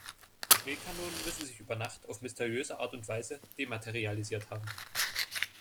Die Schneekanonen müssen sich über Nacht auf mysteriöse Art und Weise dematerialisiert haben.